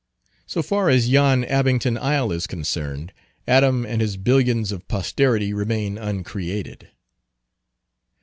So far as yon Abington Isle is concerned, Adam and his billions of posterity remain uncreated.